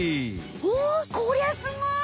おこりゃすごい！